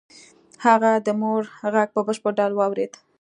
هغه د مور غږ په بشپړ ډول واورېد